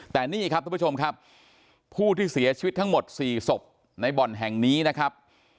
แต่นี่ครับทุกผู้ชมครับผู้ที่เสียชีวิตทั้งหมด๔ศพในบ่อนแห่งนี้นะครับ